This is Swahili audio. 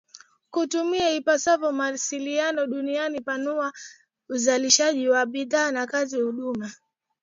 kutumia ipasavyo maliasili duniani kupanua uzalishaji wa bidhaa na kazi ya huduma